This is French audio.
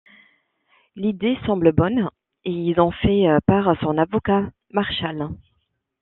L'idée semble bonne et il en fait part à son avocat, Marchal.